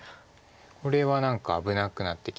これは何か危なくなってきてますよね